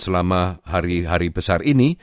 selama hari hari besar ini